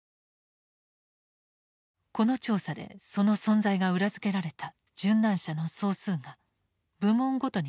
この調査でその存在が裏付けられた殉難者の総数が部門ごとに記されている。